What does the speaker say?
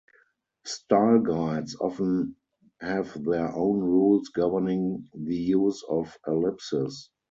Style guides often have their own rules governing the use of ellipses.